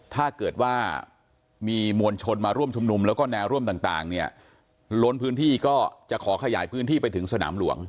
ถ้าเกิดว่ามีมวลชนมาร่วมชุมนุมแล้วก็แนวร่วมต่างเนี่ยล้นพื้นที่ก็จะขอขยายพื้นที่ไปถึงสนามหลวง